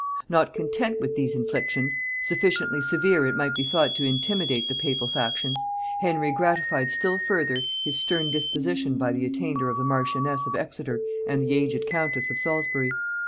Not content with these inflictions, sufficiently severe it might be thought to intimidate the papal faction, Henry gratified still further his stern disposition by the attainder of the marchioness of Exeter and the aged countess of Salisbury.